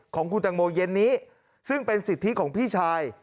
ของคุณตังโมเย็นนี้ซึ่งเป็นสิทธิของพี่ชาย